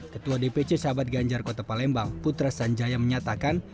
ketua dpc sahabat ganjar kota palembang putra sanjaya menyatakan